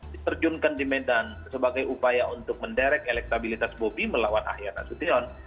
diterjunkan di medan sebagai upaya untuk menderek elektabilitas bobi melawan ahyar nasution